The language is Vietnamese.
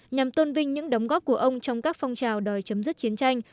nhằm tôn vinh những đóng góp của ông trong các phong trào đời chấm dứt chiến tranh